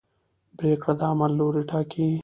پرېکړه د عمل لوری ټاکي.